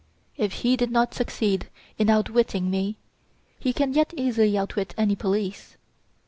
If he did not succeed in outwitting me, he can yet easily outwit any police.